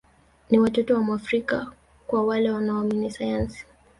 Ni watoto wa Mwafrika kwa wale wanaoamini sayansi